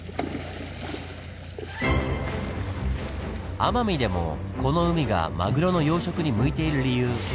奄美でもこの海がマグロの養殖に向いている理由